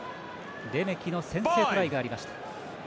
レメキの先制トライがありました。